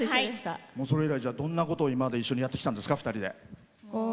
それ以来、どんなことを今まで一緒にやってきたんですか２人で。